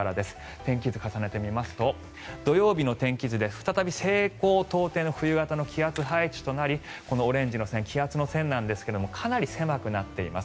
天気図重ねてみますと土曜日の天気図で再び西高東低の冬型の気圧配置となりこのオレンジの線気圧の線なんですがかなり狭くなっています。